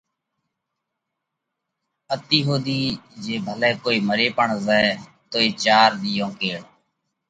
اتِي ۿُوڌِي جي ڀلئہ ڪوئي مري پڻ زائہ توئي چار ۮِيئون ڪيڙ